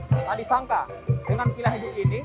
tak disangka dengan kilah hidup ini